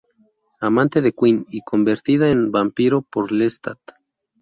Amante de Quinn y convertida en vampiro por Lestat.